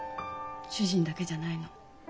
主人だけじゃないの。